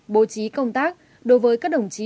bố trí công tác đối với các đồng chí